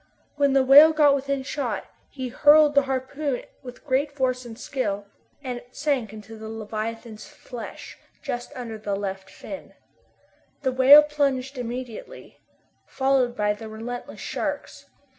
When the whale got within shot, he hurled the harpoon with great force and skill, and it sank into the leviathan's flesh just under the left fin. The whale plunged immediately, followed by the relentless sharks.